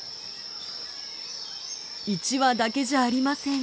１羽だけじゃありません。